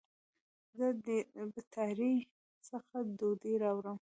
زه د بټاری څخه ډوډي راوړم